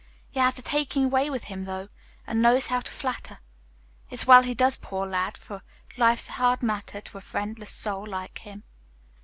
He has a taking way with him, though, and knows how to flatter. It's well he does, poor lad, for life's a hard matter to a friendless soul like him.